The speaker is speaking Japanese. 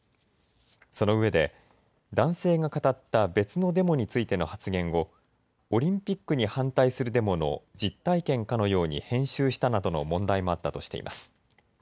そのうえで男性が語った別のデモについての発言をオリンピックに反対するデモの実体験かのように編集したなどの問題もあったとしています。